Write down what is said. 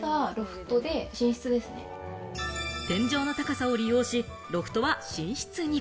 天井の高さを利用し、ロフトは寝室に。